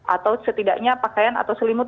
atau setidaknya pakaian atau selimut